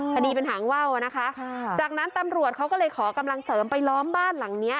คดีเป็นหางว่าวอ่ะนะคะจากนั้นตำรวจเขาก็เลยขอกำลังเสริมไปล้อมบ้านหลังเนี้ย